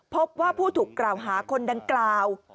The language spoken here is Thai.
พบว่าผู้ถูกกล่าวหาคนดังกล่าว